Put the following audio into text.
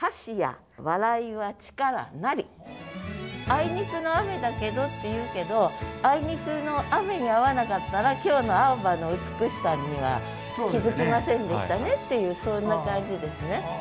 「あいにくの雨だけど」っていうけどあいにくの雨にあわなかったら今日の青葉の美しさには気付きませんでしたねっていうそんな感じですね。